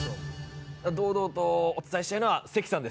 堂々とお伝えしたいのは関さんです！